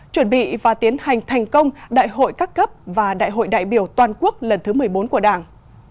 chuẩn bị và tiến hành thành công đại hội các cấp và đại hội đại biểu toàn quốc lần thứ một mươi bốn của đảng